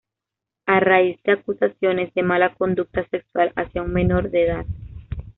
A raíz de acusaciones de mala conducta sexual hacia un menor de edad;.